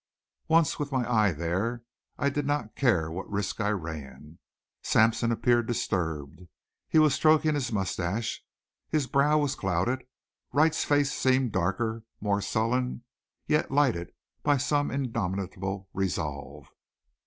Once with my eye there I did not care what risk I ran. Sampson appeared disturbed; he sat stroking his mustache; his brow was clouded. Wright's face seemed darker, more sullen, yet lighted by some indomitable resolve.